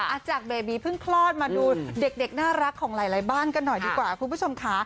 จากเบบีเพิ่งคลอดมาดูเด็กน่ารักของหลายบ้านกันหน่อยดีกว่าคุณผู้ชมค่ะ